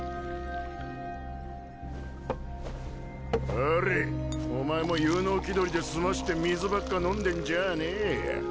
ほれお前も有能気取りで澄まして水ばっか飲んでんじゃあねぇ。